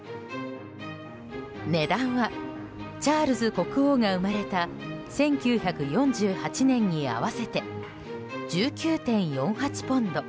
値段はチャールズ国王が生まれた１９４８年に合わせて１９．４８ポンド。